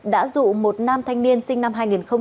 đã dụ một nam thanh niên sinh năm hai nghìn một mươi